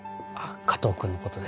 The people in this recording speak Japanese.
加藤君のことで。